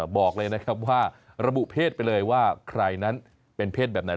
บอกเลยนะครับว่าระบุเพศไปเลยว่าใครนั้นเป็นเพศแบบนั้น